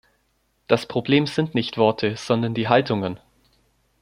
Das Problem sind nicht Worte, sondern die Haltungen.